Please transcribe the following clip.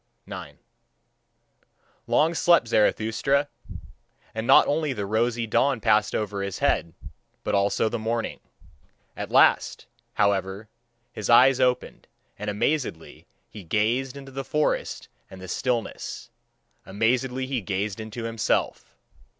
9. Long slept Zarathustra; and not only the rosy dawn passed over his head, but also the morning. At last, however, his eyes opened, and amazedly he gazed into the forest and the stillness, amazedly he gazed into himself.